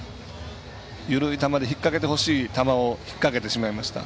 緩い球で引っ掛けてほしい球を引っ掛けてしまいました。